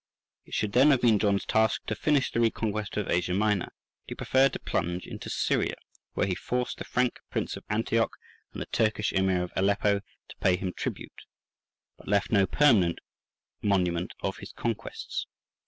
It should then have been John's task to finish the reconquest of Asia Minor, but he preferred to plunge into Syria, where he forced the Frank prince of Antioch and the Turkish Emir of Aleppo to pay him tribute, but left no permanent monument of his conquests.